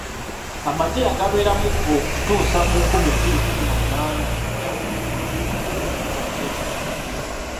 Amagye yagabeeramu okutuusa mu nkumi bbiri kkumi na munaana bwe yawummuzibwa ku ddala lya Major General